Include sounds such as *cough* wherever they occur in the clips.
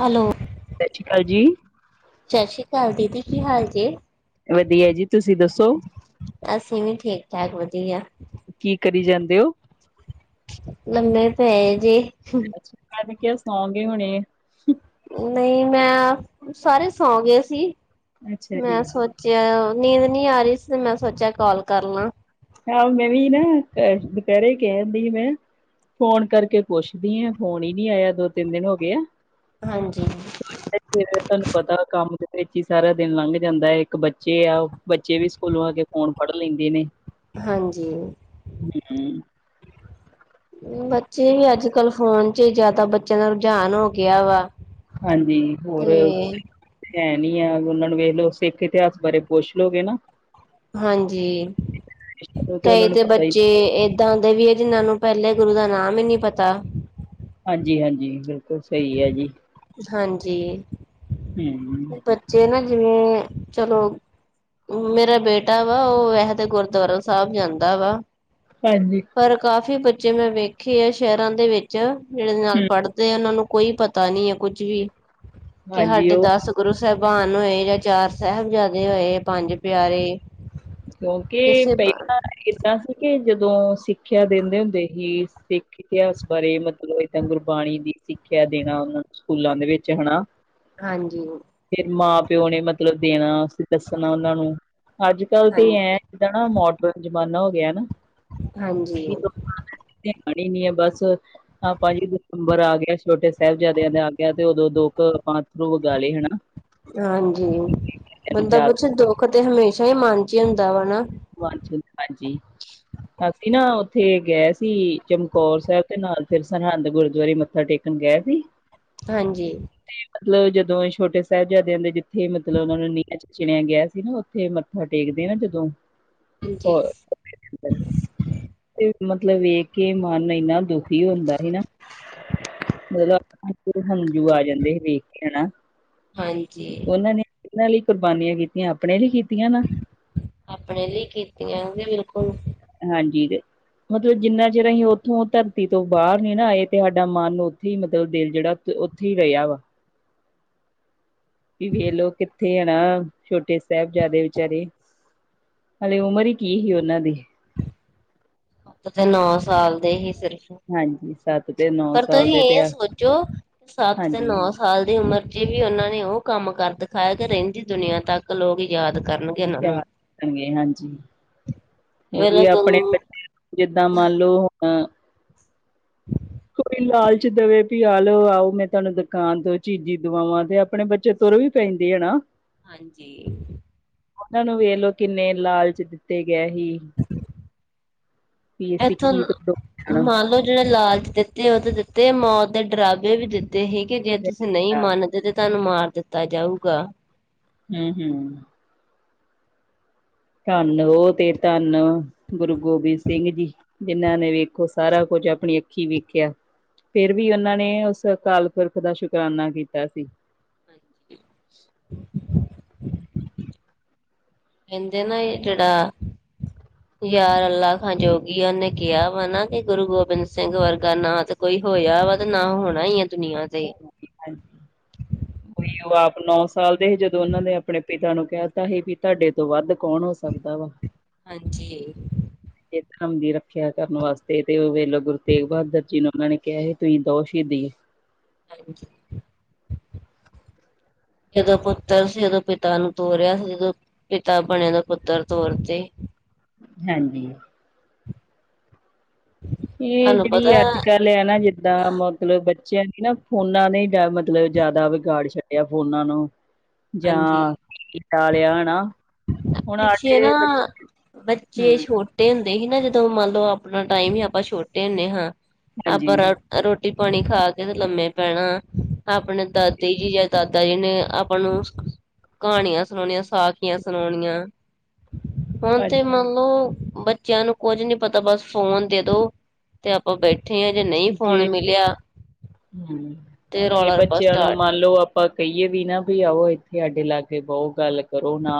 Hello ਸ਼ ਸ਼੍ਰੀ ਅਕਾਲ ਜੀ ਸ਼ ਸੀ਼ ਅਕਾਲ ਦੀਦੀ, ਕੀ ਹਾਲ ਜੇ? ਵਧੀਆ ਜੀ, ਤੁਸੀਂ ਦੱਸੋ। ਵੀ ਐਵੀ, ਠੀਕ ਠਾਕ ਵਧੀਆ ਕੀ ਕਰੀ ਜਾਂਦੇ ਔ? ਲੰਮੇ ਪਏ ਦੇ ਅੱਛਾ, ਅੱਜ ਕਿਹਾ ਸੋ ਗਏ ਹੁਣੇ ਨਹੀਂ, ਮੈਂ ਸਾਰੇ ਸੌਂ ਗਏ ਸੀ। ਅੱਛਾ ਜੀ। ਮੈਂ ਸੋਚ ਚ ਨੀਂਦ ਨਹੀ ਆ ਰਹੀ ਸੀ। ਤੇ ਮੈਂ ਸੋਚਿਆ ਕਾਲ ਕਰ ਲਾਂ। ਆਹ! ਮੈਂ ਵੀ ਨਾ ਦੁਪਹਿਰੇ, ਕਹਿਨ ਢਈ ਮੈਂ ਫੋਨ ਕਰਕੇ ਪੁੱਛਦੀ ਆ, ਫੋਨ ਹੀ ਨੀ ਆਇਆ ਦੋ ਤਿੰਨ ਦਿਨ ਹੋ ਗਏ ਆ। ਹਾਂਜੀ। ਏਥੇ ਦਾ ਤੁਹਾਨੂੰ ਪਤਾ, ਕੰਮ ਦੇ ਵਿੱਚ ਹੀ ਸਾਰਾ ਦਿਨ ਲੰਘ ਜਾਂਦਾ ਹੈ। ਇੱਕ ਬੱਚੇ ਆ ਉਹ ਬੱਚੇ ਵੀ ਸਕੂਲੋਂ ਆ ਕੇ, ਫ਼ੋਨ ਫੜ੍ਹ ਲੈਂਦੇ ਨੇ। ਹਾਂਜੀ। ਹੂੰ ਬੱਚੇ ਵੀ ਅੱਜ ਕੱਲ, ਫੋਨ ਚ ਜਿਆਦਾ ਬੱਚਿਆਂ ਦਾ ਰੁਝਾਨ ਹੋ ਗਿਆ ਵਾ। ਹਾਂਜੀ ਤੇ ਹੋਰ। ਹੈਨੀ ਆ। ਉਹਨਾਂ ਨੂੰ ਵੇਖ ਲਓ, ਸਿੱਖ ਇਤਿਹਾਸ ਬਾਰੇ ਪੁੱਛ ਲੋਗੇ ਨਾ। ਹਾਂਜੀ, ਉਹਨਾਂ ਕਈ ਨੂੰ ਤੇ ਪਤਾ ਹੀ ਬੱਚੇ ਏ ਇਦਾਂ ਦੇ ਵੀ‌ ਏ, ਜਿਨਾਂ ਨੂੰ ਪਹਿਲੇ ਗੁਰੂ ਦਾ ਨਾਮ ਹੀ ਨੀ ਪਤਾ। ਹਾਂਜੀ, ਹਾਂਜੀ ਬਿਲਕੁਲ ਸਹੀ ਹੈ ਜੀ। ਹਾਂਜੀ। *inaudible* ਬੱਚੇ ਨਾ, ਜਿਵੇਂ ਚਲੋ ਮੇਰਾ ਬੇਟਾ ਵਾ, ਉਹ ਇਹ ਤੇ ਗੁਰਦੁਆਰਾ ਸਾਹਿਬ ਜਾਂਦਾ ਵਾ। ਭੈਣ ਜੀ, ਪਰ ਕਾਫ਼ੀ ਬੱਚੇ ਮੈਂ ਵੇਖੇ ਆ ਸ਼ਹਿਰਾਂ ਦੇ ਵਿੱਚ, ਜਿਹੜੇ ਨਾਲ ਹੂੰ, ਪੜ੍ਹਦੇ ਆ। ਉਹਨਾਂ ਨੂੰ ਕੋਈ ਪਤਾ ਨੀ ਕੁੱਝ ਵੀ, ਕਿ ਹਾਂਜੀ ਸਾਡੇ ਉਹ ਦੱਸ ਗੁਰੂ ਸਾਹਿਬਾਨ ਹੋਏ, ਜਾਂ ਚਾਰ ਸਾਹਿਬਜ਼ਾਦੇ ਹੋਏ, ਪੰਜ ਪਿਆਰੇ। ਕਿਉਂਕਿ ਕਿਸੇ ਪਹਿਲਾਂ ਏਦਾਂ ਸੀ, ਕਿ ਜਦੋਂ ਸਿੱਖਿਆ ਦਿੰਦੇ ਹੁੰਦੇ ਹੀ। ਸਿੱਖ ਇਤਿਹਾਸ ਬਾਰੇ ਮਤਲਬ, ਇਦਾਂ ਗੁਰਬਾਣੀ ਦੀ ਸਿੱਖਿਆ ਦੇਣਾ, ਉਹਨਾਂ ਨੂੰ ਸਕੂਲਾਂ ਦੇ ਵਿੱਚ ਹੈਨਾ। ਹਾਂਜੀ। ਫਿਰ ਮਾਂ ਪਿਓ ਨੇ ਮਤਲਬ ਦੇਣਾ, ਦੱਸਣਾ ਉਹਨਾਂ ਨੂੰ, ਅੱਜ ਕੱਲ੍ਹ ਤੇ ਹਾਂਜੀ ਐ ਬੜਾ, ਮੋਡਰਨ ਜ਼ਮਾਨਾ ਹੋ ਗਿਆ ਨਾ। ਹਾਂਜੀ। ਹਲੇ ਨਹੀ ਐ ਬਸ। *unintelligible* ਹਾਂ। ਭਾਜੀ ਦਸੰਬਰ ਆ ਗਿਆ, ਛੋਟੇ ਸਾਹਿਬਜ਼ਾਦਿਆਂ ਦੇ ਆ ਗਿਆ, ਤੇ ਉਦੋਂ ਦੋ ਆਪ ਅੱਥਰੂ ਵਗਾ ਲਏ ਹੈਨਾ। ਹਾਂਜੀ, ਬੰਦਾ ਯਾਦ ਪੁਛ ਦੁੱਖ ਤੇ ਹਮੇਸ਼ਾ ਹੀ ਮਨ ਚ ਹੁੰਦਾ ਵਾ। *inaudible* ਅਸੀਂ ਨਾ ਉੱਥੇ ਗਏ ਸੀ, ਚਮਕੌਰ ਸਾਹਿਬ ਤੇ ਨਾਲ, ਫਿਰ ਸਰਹਿੰਦ ਗੁਰਦੁਆਰੇ ਮੱਥਾ ਟੇਕਣ *unintelligible* ਹਾਂਜੀ। ਤੇ ਮਤਲਬ ਜਦੋਂ ਛੋਟੇ ਸਾਹਿਬਜ਼ਾਦਿਆਂ ਦੇ ਜਿੱਥੇ ਮਤਲਬ ਉਨਾਂ ਨੂੰ ਨੀਆਂ ਚ ਚਿਣਿਆ ਗਿਆ ਸੀ ਨਾ ਉਥੇ ਮੱਥਾਂ ਟੇਕਦੇ ਨਾ ਜਦੋਂ ਹਾਂਜੀ ਮਤਲਬ ਵੇਖ ਕੇ ਮਨ ਇੰਨਾ ਦੁਖੀ ਹੁੰਦਾ ਸੀ ਨਾ। ਮਤਲਬ ਅੱਖਾਂ ਚ ਹੰਝੂ ਆ ਜਾਂਦੇ ਸੀ ਵੇਖ ਕੇ ਹਨਾ, ਤੇ ਹਾਂਜੀ ਉਨਾਂ ਨੇ ਕਿਨ੍ਹਾਂ ਲਈ ਕੁਰਬਾਨੀਆਂ ਕੀਤੀਆਂ ਆਪਣੇ ਲਈ ਕੀਤੀਆਂ ਨਾ। ਆਪਣੇ ਲਈ ਕੀਤੀਆਂ ਬਿਲਕੁਲ। ਹਾਂਜੀ। ਹਜੇ ਜਿੰਨਾ ਚਿਰ ਅਸੀਂ ਉੱਥੋਂ ਧਰਤੀ ਤੋਂ ਬਾਰ ਨਈ ਨਾ ਆਏ ਤੇ ਸਾਡਾ ਮਨ ਉੱਥੇ ਈ ਮਤਲਬ ਦਿਲ ਜੇੜਾ ਤੇ ਉੱਥੇ ਈ ਰਿਆ ਵਾ ਵੀ ਵੇਖ ਲੋ ਕਿੱਥੇ ਤੇ ਹੁਨ ਛੋਟੇ ਸਾਹਿਬਜ਼ਾਦੇ ਵਿਚਾਰੇ ਹਲੇ ਉਮਰ ਈ ਕੀ ਸੀ ਉਨਾਂ ਦੀ। ੳ ਤੇ ਨੌ ਸਾਲ ਦੇ ਈ ਸਿਰਫ ਹਾਂਜੀ। ਸਾਤ ਤੇ ਨੋ ਪਰ ਤੁਸੀਂ ਏ ਸੋਚੋਂ ਸੱਤ ਤੇ ਹਾਂਜੀ ਨੌ ਸਾਲ ਦੀ ਉਮਰ ਚ ਵੀ ਉਨਾਂ ਨੇ ਉ ਕੰਮ ਕਰ ਦਿਖਾਇਆ ਕਿ ਰੈਂਦੀ ਦੁਨੀਆਂ ਤੱਕ ਲੋਕ ਯਾਦ ਕਰਨਾ। ਯਾਦ ਰਖਨਗੇ ਹਾਂਜੀ ਵੇਲ ਉਈ ਗੰ ਆਪਣੇ ਨੂੰ ਜਿੱਦਾਂ ਮੰਨ ਲੋ ਹੁਨ *inaudible* ਕੋਈ ਲਾਲਚ ਦੇਵੇ ਵੀ ਆਲੋ ਆਓ ਮੈਂ ਤੁਹਾਨੂੰ ਦੁਕਾਨ ਤੋਂ ਚੀਜ਼ੀ ਦਵਾਵਾਂ ਤੇ ਆਪਣੇ ਬੱਚੇ ਤੁਰ ਵੀ ਪੈਂਦੀ ਏ ਨਾ। ਹਾਂਜੀ। ਉਨਾਂ ਨੂੰ ਵੇਖਲੋ ਕਿੰਨੇ ਲਾਲਚ ਦਿੱਤੇ ਗਏ ਸੀ ਵੀ ਇੱਥੋਂ ਸਿੱਖੀ ਤੋਂ ਦੂਰ ਜਾਣਾ ਮੰਨ ਲੋ ਜੇੜੇ ਲਾਲਚ ਦੇ ਤੇ ਉਦੇ ਦਿੱਤੇ ਮੌਤ ਦੇ ਡਰਾਬੇ ਵੀ ਦਿੱਤੇ ਸੀ ਕਿ ਜੇ ਤੁਸੀਂ ਨਈ ਮੰਨਦੇ ਤੇ ਤੁਆਨੂੰ ਮਾਰ ਦਿੱਤਾ ਜਾਊਗਾ। ਹੂੰ-ਹੂੰ ਧੰਨ ਉ ਤੇ ਧੰਨ ਗੁਰੂ ਗੋਬਿੰਦ ਸਿੰਘ ਜੀ। ਜਿੰਨਾਂ ਨੇ ਵੇਖੋ ਸਾਰਾ ਕੁੱਝ ਆਪਣੀ ਅੱਖੀਂ ਵੇਖਿਆ। ਫੇਰ ਵੀ ਉਨਾਂ ਨੇ ਉਸ ਅਕਾਲ ਪੁਰਖ ਦਾ ਸ਼ੁਕਰਾਨਾ ਕੀਤਾ ਸੀ। ਹਾਂਜੀ। ਕੈਂਦੇ ਨੇ ਏ ਜੇੜਾ ਯਾਰ ਅਲਾ ਖਾਂ ਜੋਗੀ ਉਨੇ ਕਿਹਾ ਵਾ ਨਾ ਕਿ ਗੁਰੂ ਗੋਬਿੰਦ ਸਿੰਘ ਵਰਗਾ ਨਾ ਨਾ ਕੋਈ ਹੋਇਆ ਵਾ ਤੇ ਨਾ ਹੋਣਾ ਈ ਆ ਦੁਨੀਆਂ ਤੇ ਹਾਂਜੀ। *inaudible* ਵੀ ਉ ਆਪ ਨੌ ਸਾਲ ਦੇ ਸੀ ਜਦੋਂ ਉਨਾਂ ਨੇ ਆਪਣੇ ਪਿਤਾ ਨੂੰ ਕਹਿ ਤਾ ਸੀ ਵੀ ਤੁਹਾਡੇ ਤੋਂ ਵੱਧ ਕੌਣ ਹੋ ਸਕਦਾ ਵਾ। ਹਾਂਜੀ। ਤੇ ਧਰਮ ਦੀ ਰੱਖਿਆ ਕਰਨ ਵਾਸਤੇ ਤੇ ਵੇਲੋਂ ਗੁਰੂ ਤੇਗ ਬਹਾਦਰ ਜੀ ਨੂੰ ਉਨਾਂ ਨੇ ਕਿਆ ਹੀ ਤੁਸੀਂ ਦੋ ਸ਼ਹੀਦੀ ਹਾਂਜੀ। ਜਦੋਂ ਪੁੱਤਰ ਸੀ ਉਦੋਂ ਪਿਤਾ ਨੂੰ ਤੋਰਿਆ ਸੀ ਜਦੋਂ ਪਿਤਾ ਬਣਿਆ ਦੇ ਪੁੱਤਰ ਤੌਰ ਤੇ ਹਾਂਜੀ। ਇਹ ਤੁਹਾਨੂੰ ਜਿਹੜੀ ਪਤਾ ਅੱਜ ਕੱਲ ਹੈ ਨਾ ਜਿੱਦਾਂ ਮਤਲਬ ਬੱਚਿਆਂ ਨੇ ਨਾ ਫੋਨਾ ਨੇ ਮਤਲਬ ਜਿਆਦਾ ਵਿਗਾੜ ਛੱਡਿਆ ਫੋਨਾ ਨੂੰ। ਹਾਂਜੀ ਜਾਂ ਤਾ ਲਿਆ ਹੋਣਾ। ਬੱਚੇ ਨਾ ਬੱਚੇ ਛੋਟੇ ਹੂੰ ਛੋਟੇ ਹੁੰਦੇ ਸੀ ਨਾ, ਜਦੋਂ ਮੰਨ ਲਓ ਆਪਣਾ ਟਾਈਮ ਹੀ ਆਪਾਂ ਛੋਟੇ ਹੁੰਦੇ ਹਾਂ, ਆਪਾਂ ਹਾਂਜੀ। ਰੋਟੀ ਪਾਣੀ ਖਾ ਕੇ ਲੰਮੇ ਪੈਣਾ, ਆਪਣੇ ਦਾਦੀ ਜੀ ਜਾਂ ਦਾਦਾ ਜੀ ਨੇ ਆਪਾਂ ਨੂੰ ਕਹਾਣੀਆਂ ਸੁਣਾਉਣੀਆਂ ਸਾਖੀਆਂ। ਸੁਣਾਉਣੀਆਂ। ਹੁਣ ਤੇ ਹਾਂਜੀ। ਮੰਨਲੋ ਬੱਚਿਆਂ ਨੂੰ ਕੁੱਝ ਨਹੀ ਪਤਾ, ਬਸ ਫੋਨ ਦੇ ਦੋ। ਤੇ ਆਪਾਂ ਬੈਠੇ ਹਾਂ, ਜੇ ਨਹੀਂ ਫੋਨ ਮਿਲਿਆ ਹਮ, ਤੇ ਇਹ ਰੌਲਾ ਰੱਪਾ ਬੱਚਿਆਂ ਨੂੰ ਸਟਾਰਟ ਮੰਨ ਲਓ ਆਪਾਂ ਕਹੀਏ ਵੀ ਨਾ ਵੀ ਆਓ ਇੱਥੇ ਸਾਡੇ ਲਾਗੇ ਬਹੋ ਗੱਲ ਕਰੋ ਨਾ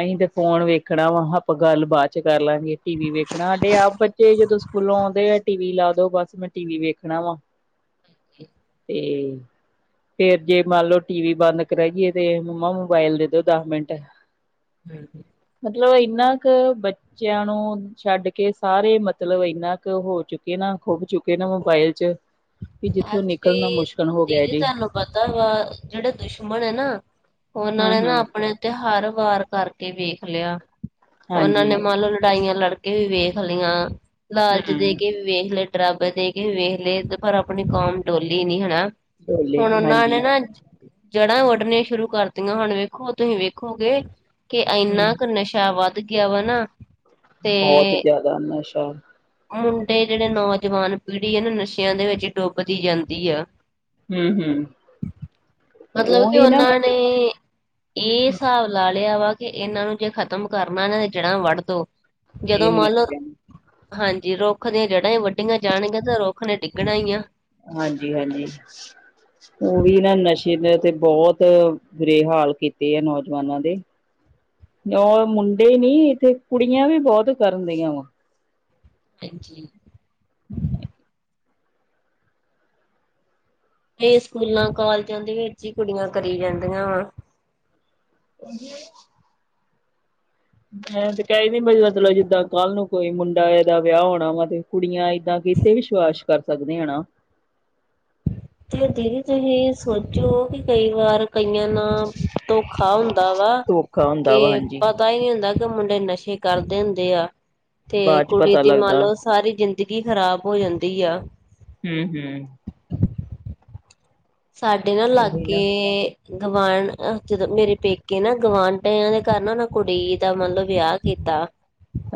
ਅਹੀ ਤੇ ਫੋਨ ਵੇਖਣਾ ਵਾ, ਆਪਾਂ ਗੱਲ ਬਾਦ ਚ ਕਰ ਲਾਂਗੇ, ਟੀ ਵੀ ਵੇਖਣਾ, ਸਾਡੇ ਆਪ ਬੱਚੇ ਜਦੋਂ ਸਕੂਲੋਂ ਆਉਂਦੇ ਆ, ਟੀ ਵੀ ਲਾ ਦੋ ਬਸ, ਮੈਂ ਟੀ ਵੀ ਵੇਖਣਾ ਵਾ। ਤੇ। ਫੇਰ ਜੇ ਮੰਨ ਲਓ ਟੀ ਵੀ ਬੰਦ ਕਰਾਈਏ ਤੇ ਮੰਮਾ ਮੋਬਾਇਲ ਦੇ ਦੋ ਦਸ ਮਿੰਟ। ਹਮ। ਮਤਲਬ ਇੰਨਾ ਕੁ ਬੱਚਿਆਂ ਨੂੰ ਛੱਡ ਕੇ ਸਾਰੇ ਮਤਲਬ ਇੰਨਾ ਕੁ ਹੋ ਚੁੱਕੇ ਨਾ ਖੁਬ ਚੁੱਕੇ ਨੇ ਮੋਬਾਇਲ ਚ ਕਿ ਜਿੱਥੋਂ ਅਜ ਵੀ ਨਿਕਲਣਾ ਮੁਸ਼ਕਿਲ ਹੋ ਗਿਆ ਦੀਦੀ ਜੀ ਤੁਹਾਨੂੰ ਪਤਾ ਵਾ ਜਿਹੜੇ ਦੁਸ਼ਮਣ ਏ ਨਾ ਉਹਨਾਂ ਹੂੰ ਨੇ ਨਾ ਹੂੰ ਆਪਣੇ ਤਿਉਹਾਰ ਵਾਰ ਕਰ ਕੇ ਵੇਖ ਲਿਆ, ਉਹਨਾਂ ਨੇ ਹਾਂਜੀ ਮੰਨ ਲਓ ਲੜਾਈਆਂ ਲੜਕੇ ਵੀ ਵੇਖ ਲੀਆਂ ਲਾਲਚ ਦੇ ਹੂੰ ਕੇ ਵੇਖ ਲੈ, ਡਰਾਬੇ ਦੇ ਕੇ ਵੀ ਵੇਖ ਲਏ ਤੇ ਪਰ ਆਪਣੀ ਕੌਮ ਡੋਲੀ ਨੀ ਹਨਾ। ਡੋਲੇ ਹੁਣ ਉਹਨਾਂ ਹਾਂਜੀ ਨੇ ਨਾ ਜੜ੍ਹਾਂ ਵੱਡਣੀਆ ਸ਼ੁਰੂ ਕਰਤੀਆਂ, ਹੁਣ ਵੇਖੋ ਤੁਸੀ ਵੇਖੋਗੇ ਕਿ ਹੂੰ ਇੰਨਾ ਕੁ ਨਸ਼ਾ ਵੱਧ ਗਿਆ ਵਾ ਨਾ ਤੇ ਬਹੁਤ ਜਿਆਦਾ ਨਸ਼ਾਂ। ਮੁੰਡੇ ਜਿਹੜੇ ਨੌਜਵਾਨ ਪੀੜ੍ਹੀ ਆ ਨਾ, ਨਸ਼ਿਆਂ ਦੇ ਵਿੱਚ ਡੁੱਬਦੀ ਜਾਂਦੀ ਆ। ਹੂੰ ਹੂੰ ਅਗਲਾ ਵੇਖੀ ਉਹੀ ਨਾ ਉਹਨਾਂ ਨੇ ਮਤਲਬ ਇਹ ਸਾਬ ਲਾ ਲਿਆ ਵਾ ਕਿ ਇਹਨਾਂ ਨੂੰ ਜੇ ਖ਼ਤਮ ਕਰਨਾ ਨਾ ਜੜ੍ਹਾਂ ਵੱਢ ਦੋ। ਇਹ ਜਦੋਂ ਮੰਨ ਲਓ *unintelligible* ਹਾਂਜੀ, ਰੁੱਖ ਦੀਆਂ ਜੜ੍ਹਾਂ ਈ ਵੱਢੀਆਂ ਜਾਣਗੀਆਂ, ਤਾਂ ਰੁੱਖ ਨੇ ਡਿੱਗਣਾ ਈਂ ਆ। ਹਾਂਜੀ - ਹਾਂਜੀ। ਉਹੀ ਨਾ ਨਸ਼ੇ ਨੇ ਤਾਂ ਤੇ ਬਹੁਤ ਬੇ-ਹਾਲ ਕੀਤੇ ਆ ਨੌਜਵਾਨਾਂ ਦੇ। ਇਉਂ ਮੁੰਡੇ ਨੀ, ਇੱਥੇ ਕੁੜੀਆਂ ਵੀ ਬਹੁਤ ਕਰਨ ਡਈਆ ਵਾ। ਹਾਂ ਜੀ। *inaudible* ਇਹ ਸਕੂਲਾਂ ਕਾਲਜਾਂ ਦੇ ਵਿੱਚ ਹੀ ਕੁੜੀਆਂ ਕਰੀ ਜਾਂਦੀਆ ਵਾ। *inaudible* ਮੈਂ ਤੇ ਕਹਿ ਈ ਰਹੀ ਮਤਲਬ ਜਿੱਦਾਂ ਕੱਲ ਨੂੰ ਕੋਈ ਮੁੰਡਾ ਦਾ ਵਿਆਹ ਹੋਣਾ ਵਾ ਤੇ ਕੁੜੀਆਂ ਏਦਾਂ ਕੀਤੇ ਵਿਸ਼ਵਾਸ ਕਰ ਸਕਦੀ ਆ ਹਨਾ। ਤੇ ਦੀਦੀ ਤੁਸੀਂ ਸੋਚੋ ਕਿ ਕਈ ਵਾਰ ਕਈਆਂ ਨਾਲ ਧੋਖਾ ਹੁੰਦਾ ਵਾ। ਧੋਖਾ ਹੁੰਦਾ ਵਾ ਕਿ ਹਾਂਜੀ ਪਤਾ ਈ ਨੀ ਹੁੰਦਾ ਮੁੰਡੇ ਨਸ਼ੇ ਕਰਦੇ ਹੁੰਦੇ ਆ, ਤੇ ਬਾਅਦ ਚ ਕੁੜੀ ਪਤਾ ਦੀ ਮੰਨ ਲੱਗਦਾ ਲਓ ਸਾਰੀ ਜਿੰ ਜ਼ਿੰਦਗੀ ਖ਼ਰਾਬ ਹੋ ਜਾਂਦੀ ਐ। ਹੂੰ-ਹੂੰ, ਸਾਡੇ ਨਾ ਉਹੀ ਲਾਗੇ ਨਾ ਗਵਾਂਢ, ਉਥੇ ਤਾਂ ਮੇਰੇ ਪੇਕੇ ਨਾ ਗੁਆਂਢੀਆ ਦੇ ਘਰ ਨਾ ਔਨੇ ਕੁੜੀ ਦਾ ਮਤਲਬ ਵਿਆਹ ਕੀਤਾ। *inaudible*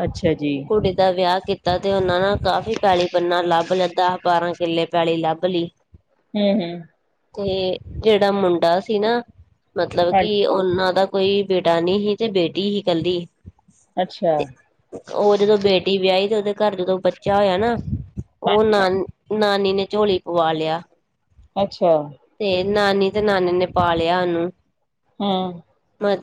ਅੱਛਾ ਜੀ। ਕੁੜੀ ਦਾ ਵਿਆਹ ਕੀਤਾ ਤੇ ਉਹਨਾਂ ਨੇ ਕਾਫ਼ੀ ਪੈਲੀ ਬੰਨਾ ਲੱਭ ਲੀਤਾ ਬਾਰਾਂ ਕਿੱਲੇ ਪੈਲੀ ਲੱਭ ਲਈ। ਹੂੰ-ਹੂੰ, ਕੋਈ ਜਿਹੜਾ ਮੁੰਡਾ ਸੀ ਨਾ, ਮਤਲਬ ਕੀ ਹਾਂਜੀ ਉ ਉਹਨਾਂ ਦਾ ਕੋਈ ਬੇਟਾ ਨੀ ਹੀ ਤੇ ਬੇਟੀ ਹੀ ਕੱਲੀ। ਅੱਛਾ ਤੇ ਉਹ ਜਦੋਂ ਬੇਟੀ ਵਿਆਹੀ ਤੇ ਉਹਦੇ ਘਰ ਜਦੋਂ ਬੱਚਾ ਹੋਇਆ ਨਾ। ਉਹ ਹਾਂਜੀ ਨਾਨ ਨਾਨੀ ਨੇ ਝੋਲੀ ਪਵਾ ਲਿਆ। ਅੱਛਾ, ਤੇ ਨਾਨੀ ਤੇ ਨਾਨੇ ਨੇ ਪਾਲਿਆ ਉਹਨੂੰ, ਹੂੰ,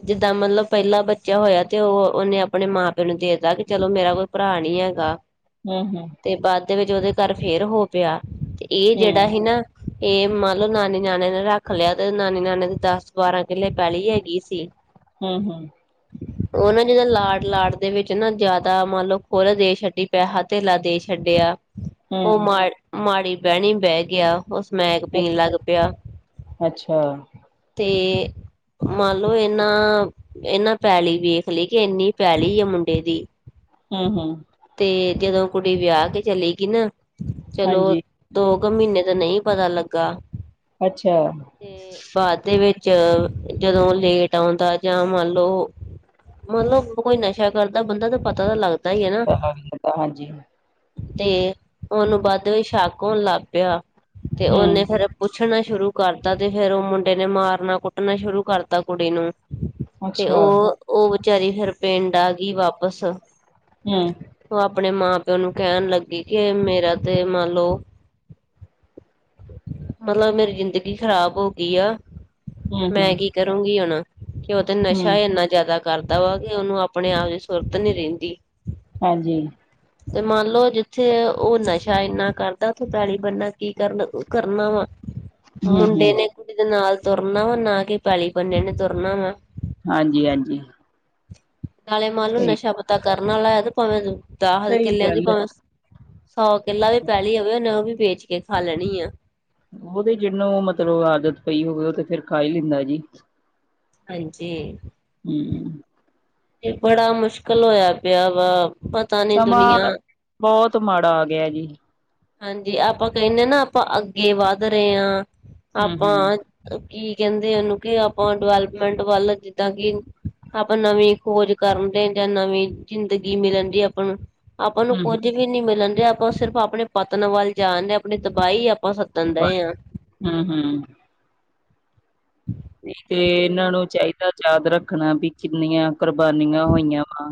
ਜਿੱਦਾਂ ਮਤਲਬ ਪਹਿਲਾ ਬੱਚਾ ਹੋਇਆ ਤੇ ਉਹ ਉਹਨੇ ਆਪਣੇ ਮਾਂ ਪਿਓ ਨੂੰ ਦੇਤਾ ਕਿ ਚਲੋ ਮੇਰਾ ਕੋਈ ਭਰਾ ਨੀ ਹੈਗਾ। ਹੂੰ-ਹੂੰ, ਤੇ ਬਾਦ ਦੇ ਵਿੱਚ ਉਹਦੇ ਘਰ ਫੇਰ ਹੋ ਪਿਆ, ਤੇ ਇਹ ਜਿਹੜਾ ਸੀ ਹੂੰ ਨਾ। ਇਹ ਮੰਨ ਲਓ ਨਾਨੀ ਨਾਨੇ ਨੇ ਰੱਖ ਲਿਆ ਤੇ ਨਾਨੀ ਨਾਨੇ ਕੋਲ ਦਸ ਬਾਰਾਂ ਕਿੱਲੇ ਪੇਲੀ ਹੈਗੀ ਸੀ। ਹੂੰ-ਹੂੰ, *inaudible* ਉਹ ਨਾ ਜਿਦਾਂ ਲਾਡ ਲਾਡ ਦੇ ਵਿੱਚ ਨਾ ਜ਼ਿਆਦਾ ਮੰਨ ਲਓ, ਖੁੱਲ ਦੇ ਛੱਡੀ ਪੈਸਾ ਧੇਲਾ ਦੇ ਛੱਡਿਆ। ਉਹ ਹੂੰ ਮਾੜ ਮਾੜੀ ਬਹਿਣੀ ਬਹਿ ਗਿਆ ਉਹ ਸਮੈਕ ਪੀਣ ਲੱਗ ਪਿਆ। ਅੱਛਾ ਤੇ ਮੰਨ ਲਓ ਇਨਾਂ ਇਹਨਾਂ ਪੈਲੀ ਵੇਖ ਲਈ ਕਿ ਇੰਨੀ ਪੈਲੀ ਆ ਮੁੰਡੇ ਦੀ ਹੂੰ-ਹੂੰ, ਤੇ ਜਦੋਂ ਕੁੜੀ ਵਿਆਹ ਕੇ ਚਲੇ ਗਈ ਨਾ, ਚਲੋ। ਹਾਂਜੀ ਦੋ ਕੁ ਮਹੀਨੇ ਦਾ ਨਈ ਪਤਾ ਲੱਗਾ। ਅੱਛਾ ਬਾਦ ਦੇ ਵਿੱਚ ਜਦੋਂ ਲੇਟ ਆਉਂਦਾ ਜਾਂ ਮੰਨ ਲਓ। ਮਤਲਬ ਕੋਈ ਨਸ਼ਾ ਕਰਦਾ ਬੰਦਾ ਤਾਂ ਪਤਾ ਤਾਂ ਲੱਗਦਾ। ਹੀ ਹੈ ਨਾ ਹਾਂਜੀ। ਤੇ, ਉਹਨੂੰ ਵੱਧ ਵੀ ਸ਼ੱਕ ਹੋਣ ਲੱਗ ਪਿਆ ਤੇ ਉਹ ਹੂੰ ਨੇ ਫੇਰ ਪੁੱਛਣਾ ਸ਼ੁਰੂ ਕਰਤਾ ਤੇ ਫੇਰ ਉਹ ਮੁੰਡੇ ਨੇ ਮਾਰਨਾ ਕੁੱਟਣਾ ਸ਼ੁਰੂ ਕਰਤਾ ਕੁੜੀ ਨੂੰ ਤੇ ਅੱਛਾ ਉਹ ਉਹ ਵਿਚਾਰੀ ਫਿਰ ਪਿੰਡ ਆ ਗਈ ਵਾਪਸ। ਹੂੰ, ਉਹ ਆਪਣੇ ਮਾਂ ਪਿਓ ਨੂੰ ਕਹਿਣ ਲੱਗੀ ਕਿ ਮੇਰਾ ਤੇ ਮੰਨ ਲਓ। ਮਤਲਬ ਮੇਰੀ ਜ਼ਿੰਦਗੀ ਖ਼ਰਾਬ ਹੋ ਗਈ ਆ। ਹੂੰ ਮੈਂ ਹੂੰ ਕੀ ਕਰੂੰਗੀ ਹੁਣ, ਕਿ ਉਹ ਤੇ ਨਸ਼ਾ ਹੂੰ ਇੰਨਾ ਜ਼ਿਆਦਾ ਕਰਦਾ ਵਾ ਕਿ ਉਹਨੂੰ ਆਪਣੇ ਆਪ ਚ ਸੁਰਤ ਨੀ ਰਹਿੰਦੀ। ਹਾਂਜੀ। ਤੇ ਮੰਨ ਲਓ ਜਿੱਥੇ ਉਹ ਨਸ਼ਾ ਇੰਨਾ ਕਰਦਾ ਉਥੋਂ ਪੈਲੀ ਬਣਨਾ ਕੀ ਕਰਨਾ ਉਹ ਕਰਨਾ ਵਾ? ਹੂੰ ਮੁੰਡੇ ਹੂੰ ਨੇ, ਕੁੜੀ ਦੇ ਨਾਲ ਤੁਰਨਾ ਵਾ ਨਾ ਕਿ ਪੈਲੀ ਬੰਨੇ ਨੇ ਤੁਰਨਾ ਵਾ। ਹਾਂਜੀ ਹਾਂਜੀ। ਨਾਲੇ ਮਾਲ ਨੂੰ ਸਹੀ ਨਸ਼ਾ ਪਤਾ ਕਰਨ ਵਾਲਾ ਹੈ ਤੇ ਭਾਵੇਂ ਦਾਖਤ ਸਹੀ ਕਿੱਲਿਆਂ ਦੀ ਗੱਲ ਹੈ ਭਾਵੇਂ ਸੌ ਕਿੱਲਾ ਵੀ ਪੈਲੀ ਹੋਵੇ ਉਹਨੇ ਓ ਵੀ ਵੇਚ ਕੇ ਖਾ ਲੈਣੀ ਆ। ਉਹ ਤੇ ਜਿਹਨੂੰ ਮਤਲਬ ਆਦਤ ਪਈ ਹੋਵੇ ਉਹ ਤੇ ਫੇਰ ਖਾ ਈ ਲੈਂਦਾ ਜੀ। ਹਾਂਜੀ। ਹੂੰ ਕੇ ਬੜਾ ਮੁਸ਼ਕਿਲ ਹੋਇਆ ਪਿਆ ਵਾ। ਪਤਾ ਨੀ ਸਮਾਂ ਦੁਨੀਆਂ ਬੋਤ ਮਾੜਾ ਆ ਗੇਆ ਜੀ। ਹਾਂਜੀ ਆਪਾਂ ਕੇਂਦੇ ਨਾ ਆਪਾਂ ਅੱਗੇ ਵੱਧ ਰਏ ਆ ਹਮ ਹਮ ਆਪਾਂ ਕੀ ਕੇਂਦੇ ਓੰਨੂ ਕੀ ਆਪਾਂ ਡਿਵੈਲਪਮੈਂਟ ਵੱਲ ਜਿੱਦਾਂ ਕਿ ਆਪਾਂ ਨਵੀਂ ਖੋਜ ਕਰਨ ਦੇ ਜਾਂ ਨਵੀਂ ਜ਼ਿੰਦਗੀ ਮਿਲਣ ਦੀ ਆਪਾਂ ਨੂੰ ਆਪਾਂ ਨੂੰ ਹਮ ਕੁੱਝ ਵੀ ਨੀ ਮਿਲਣ ਦੇਆ ਆਪਾਂ ਸਿਰਫ ਆਪਣੇ ਪਤਨ ਵੱਲ ਜਾਣਦੇ ਆਪਣੀ ਤਬਾਈ ਆਪਾਂ ਡਏ ਤਬਾਈ ਆ ਹੂੰ ਹੂੰ ਤੇ ਏਨਾਂ ਨੂੰ ਚਾਈਦਾ ਯਾਦ ਰੱਖਣਾ ਵੀ ਕਿੰਨੀਆਂ ਕੁਰਬਾਨੀਆਂ ਹੋਈਆਂ ਵਾ।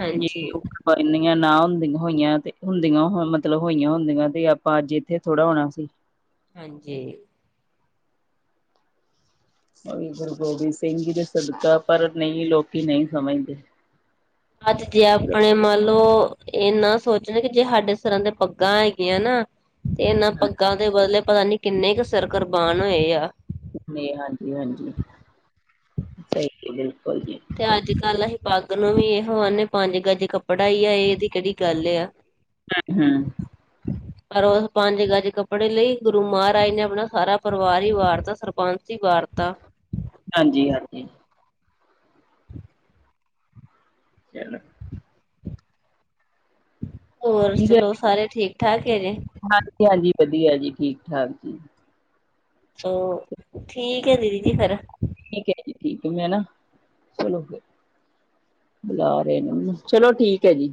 ਹਾਂਜੀ ਬਿਲਕੁਲ। ਕੁਰਬਾਨੀਆ ਨਾ ਹੁੰਦੀਆਂ ਹੋਈਆਂ ਤੇ ਹੁੰਦੀਆਂ ਮਤਲਬ ਹੋਈਆਂ ਹੁੰਦੀਆਂ ਤੇ ਆਪਾਂ ਅੱਜ ਥੋੜਾ ਹੋਣਾ ਸੀ। ਹਾਂਜੀ। ਉਹ ਵੀ ਗੁਰੂ ਗੋਬਿੰਦ ਸਿੰਘ ਜੀ ਦੇ ਸਦਕਾ ਪਰ ਨਈ ਲੋਕੀ ਨਈ ਸਮਝਦੇ। ਅੱਜ ਜੇ ਆਪਣੇ ਮੰਨ ਲਓ ਏਨਾ ਸੋਚਣਾ ਕਿ ਜੇ ਸਾਡੇ ਸਿਰਾ ਦੇ ਪੱਗਾਂ ਹੈਗੀਆਂ ਨਾ ਤੇ ਏਨਾਂ ਹਾਂ ਪੱਗਾਂ ਦੇ ਬਦਲੇ ਪਤਾ ਨੀ ਕਿੰਨੇ ਕੁ ਸਿਰ ਕੁਰਬਾਨ ਹੋਏ ਆ। ਮੇ ਹਾਂਜੀ ਹਾਂਜੀ ਸਹੀ ਬਿਲਕੁਲ ਜੀ। ਤੇ ਅੱਜ ਕੱਲ ਅਸੀਂ ਪੱਗ ਨੂੰ ਵੀ ਇਹੋ ਆਨੇ ਪੰਜ ਗਜ ਕੱਪੜਾ ਈ ਆ ਏਦੀ ਕੇੜੀ ਗੱਲ ਆ। *unintelligible* *unintelligible* ਹ *unintelligible* ਪਰ ਉਹ ਪੰਜ ਗਜ ਕੱਪੜੇ ਲਈ ਗੁਰੂ ਮਹਾਰਾਜ ਨੇ ਆਪਣਾ ਸਾਰਾ ਪਰਿਵਾਰ ਹੀ ਵਾਰਤਾ ਸਰਬੰਸ ਚੀ ਵਾਰਤਾ। ਹਾਂਜੀ -ਹਾਂਜੀ। ਚਲੋ। ਹੋਰ ਠੀਕ ਚਲੋ ਸਾਰੇ ਠੀਕ ਠਾਕ ਹੈ ਜੇ ਜੀ ਹਾਂਜੀ, ਵਧੀਆ ਜੀ ਠੀਕ -ਠਾਕ ਜੀ। ਓ ਠੀਕ ਏ ਦੀਦੀ ਜੀ ਫੇਰ। ਠੀਕ ਏ ਜੀ, ਠੀਕ ਏ ਮੈਂ ਨਾ ਚਲੋ ਫੇਰ। ਬੁਲਾ ਰਏ ਨੇ ਮੈਨੂੰ, ਚਲੋ ਠੀਕ ਐ ਜੀ।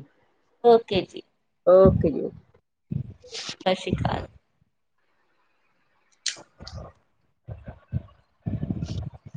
ਓਕੇ ਜੀ। ਓਕੇ ਜੀ, ਓਕੇ। ਸਸ੍ਰੀਕਾਲ। *inaudible*